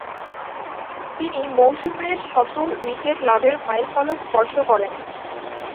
তিন মৌসুমে শত উইকেট লাভের মাইলফলক স্পর্শ করেন।